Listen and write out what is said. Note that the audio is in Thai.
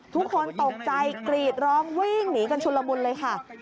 ทุกคนตกใจกรีดร้องวิ่งหนีกันชุนละมุนเลยค่ะ